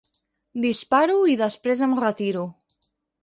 Disparo i després em retiro.